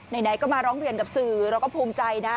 ไหนก็มาร้องเรียนกับสื่อเราก็ภูมิใจนะ